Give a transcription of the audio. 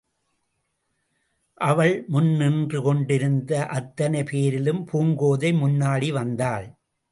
அவன் முன் நின்று கொண்டிருந்த அத்தனை பேரிலும் பூங்கோதை முன்னாடி வந்தாள்.